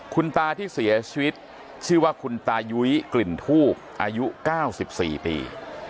คุณตาที่เสียชีวิตชื่อว่าคุณตายุ้ยกลิ่นทูบอายุ๙๔ปี